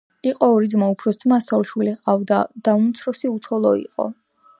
იყო ორი ძმა უფროს ძმას ცოლ-შვილი ჰყავდა და უმცროსი უცოლო იყო.